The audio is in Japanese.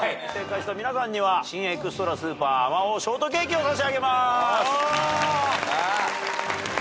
正解した皆さんには新エクストラスーパーあまおうショートケーキを差し上げます。